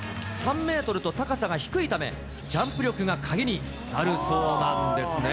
３メートルと高さが低いため、ジャンプ力が鍵になるそうなんですね。